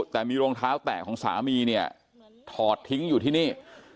แต่มีรองเท้าแตกของสามีเนี่ยถอดทิ้งอยู่ที่นี่